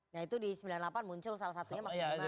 nah itu di sembilan puluh delapan muncul salah satunya maksudnya